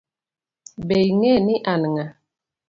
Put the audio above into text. Be ing'e ni an ng'a?